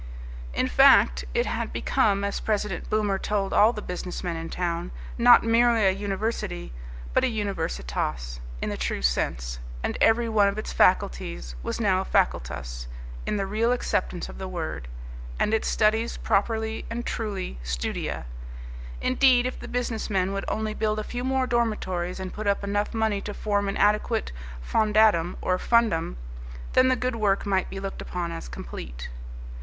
In fact, it had become, as President Boomer told all the businessmen in town, not merely a university, but a universitas in the true sense, and every one of its faculties was now a facultas in the real acceptance of the word, and its studies properly and truly studia; indeed, if the businessmen would only build a few more dormitories and put up enough money to form an adequate fondatum or fundum, then the good work might be looked upon as complete.